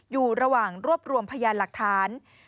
อยู่ระหว่างรวบรวมพยานหลักฐาน